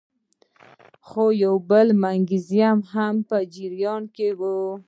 خو یو بل میکانیزم هم په جریان کې وو.